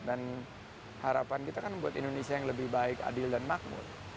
dan harapan kita kan untuk indonesia yang lebih baik adil dan makmur